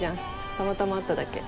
たまたま会っただけ。